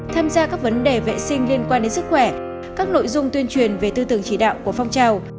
tham gia các vấn đề vệ sinh liên quan đến sức khỏe các nội dung tuyên truyền về tư tưởng chỉ đạo của phong trào